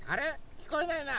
きこえないな。